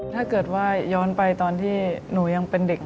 ถ้าเกิดว่าย้อนไปตอนที่หนูยังเป็นเด็ก